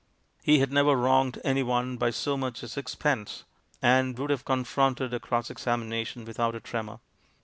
He had never wronged anyone by so much as six pence, and could have confronted a cross exam ination without a tremor.